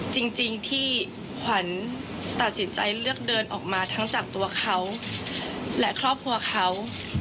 จริงที่ขวัญตัดสินใจเลือกเดินออกมาทั้งจากตัวเขาและครอบครัวเขา